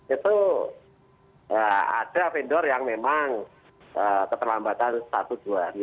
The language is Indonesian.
itu ada vendor yang memang keterlambatan satu dua hari